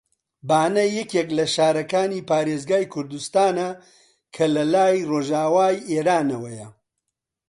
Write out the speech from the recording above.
بانە یەکێک لە شارەکانی پارێزگای کوردستانە کە لە لای ڕۆژئاوای ئێرانەوەیە